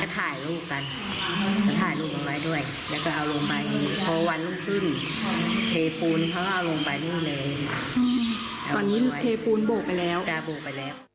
ตอนนี้เทปูนโบกไปแล้ว